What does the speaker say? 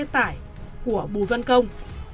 xe tải của bùi văn công